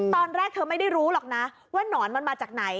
ตอนแรกเธอไม่ได้รู้หรอกนะว่านอนมันมาจากไหน